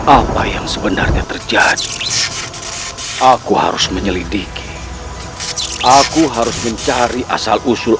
apa yang sebenarnya terjadi aku harus menyelidiki aku harus mencari asal usul